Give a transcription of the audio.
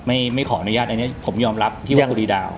ไม่ไม่ขออนุญาตอันนี้ผมยอมรับที่ว่าบุรีดาว